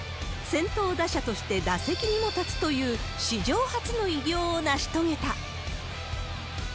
先頭打者として打席にも立つという、史上初の偉業を成し遂げた。